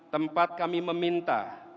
tempat kami meminta